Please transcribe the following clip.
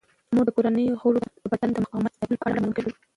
مور د کورنۍ غړو ته د بدن د مقاومت زیاتولو په اړه معلومات ورکوي.